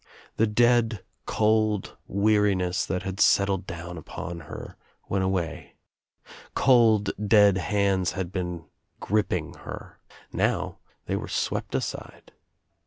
The dead cold weariness that had settled down upon her went away. Cold dead handl had been gripping her. Now they were swept aside.